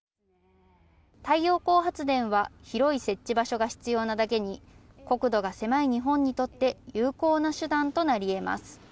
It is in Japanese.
太陽光発電は広い設置場所が必要なだけに国土が狭い日本にとって有効な手段となりえます。